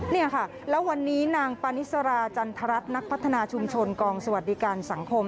นี่ค่ะแล้ววันนี้นางปานิสราจันทรัศน์นักพัฒนาชุมชนกองสวัสดิการสังคม